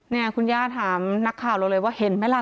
เนี่ยคุณย่าถามนักข่าวเราเลยว่าเห็นไหมล่ะ